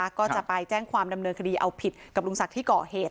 ที่สนพ่ายแจ้งความดำเนินคดีเอาผิดกับลุงศักดิ์ที่เกาะเหตุ